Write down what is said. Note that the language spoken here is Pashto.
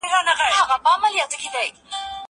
زه پرون کالي وچول؟